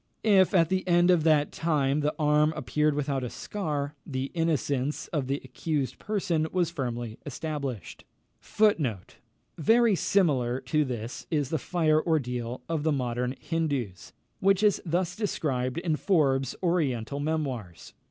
If, at the end of that time, the arm appeared without a scar, the innocence of the accused person was firmly established. Very similar to this is the fire ordeal of the modern Hindoos, which is thus described in Forbes's Oriental Memoirs, vol.